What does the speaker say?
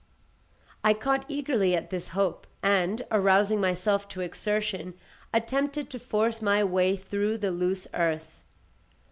I caught eagerly at this hope, and, arousing myself to exertion, attempted to force my way through the loose earth.